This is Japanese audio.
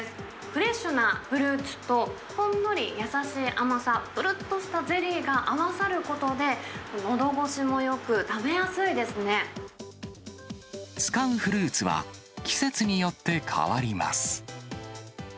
フレッシュなフルーツと、ほんのり優しい甘さ、ぷるっとしたゼリーが合わさることで、のどごしも使うフルーツは季節によって変わります。